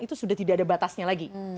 itu sudah tidak ada batasnya lagi